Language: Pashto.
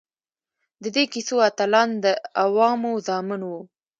د دې کیسو اتلان د عوامو زامن وو.